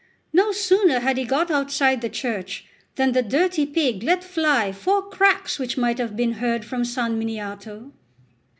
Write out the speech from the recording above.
No sooner had he got outside the church than the dirty pig let fly four cracks which might have been heard from San Miniato.